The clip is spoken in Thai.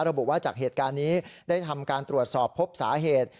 ระบุว่าจากเหตุการณ์นี้ได้ทำการตรวจสอบพบสาเหตุ